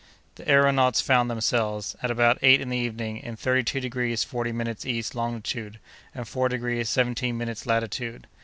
The aëronauts found themselves, at about eight in the evening, in thirty two degrees forty minutes east longitude, and four degrees seventeen minutes latitude.